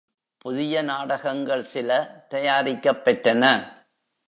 புதிய நாடகங்கள் சில தயாரிக்கப் பெற்றன.